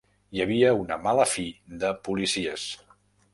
Hi havia una mala fi de policies.